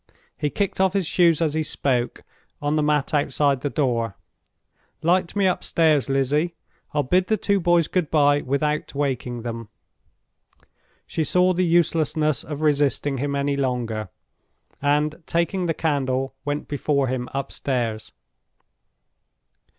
He kicked off his shoes as he spoke, on the mat outside the door. "Light me upstairs, Lizzie; I'll bid the two boys good by without waking them." She saw the uselessness of resisting him any longer; and, taking the candle, went before him upstairs.